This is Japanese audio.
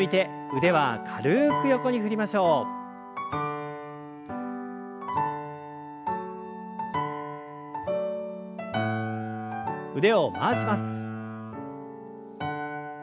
腕を回します。